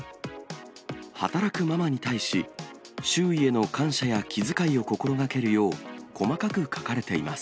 働くママに対し、周囲への感謝や気遣いを心がけるよう、細かく書かれています。